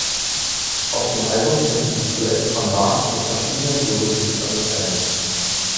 Auf dem Album finden sich Duette von Barnes mit verschiedenen Solokünstlern und Bands.